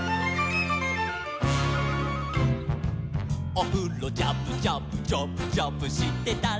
「おふろジャブジャブジャブジャブしてたら」